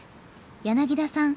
柳田さん